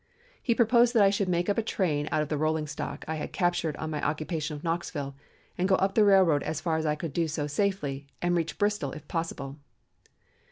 He proposed that I make up a train out of the rolling stock I had captured on my occupation of Knoxville and go up the railroad as far as I could do so safely, and reach Bristol if possible.